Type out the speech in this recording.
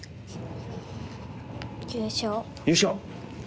優勝！